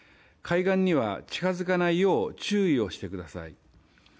海岸には近づかないよう注意をしてください。